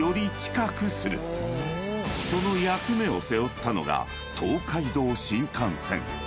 ［その役目を背負ったのが東海道新幹線］